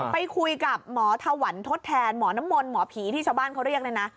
ไปคุยกับหมอถวันทดแทนหมอน้ำมนต์หมอผีที่ชาวบ้านเขาเรียกเลยนะ